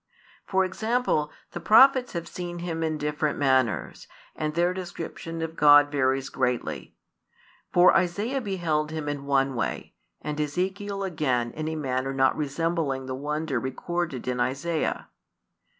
For example, the Prophets have seen Him in different manners, and their description of God varies greatly. For Isaiah beheld Him in one way, and Ezekiel again in a manner not resembling the wonder recorded in Isaiah.